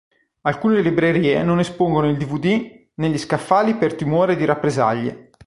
Alcune librerie non espongono il dvd negli scaffali per timore di rappresaglie.